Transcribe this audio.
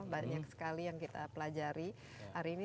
banyak sekali yang kita pelajari hari ini